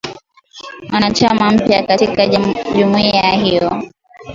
mwanachama mpya katika jumuiya hiyo